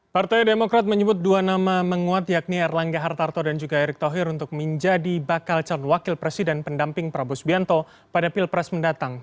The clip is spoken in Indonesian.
partai demokrat menyebut dua nama menguat yakni erlangga hartarto dan juga erick thohir untuk menjadi bakal calon wakil presiden pendamping prabowo subianto pada pilpres mendatang